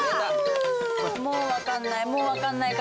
もう分かんない。